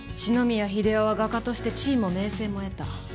四ノ宮英夫は画家として地位も名声も得た。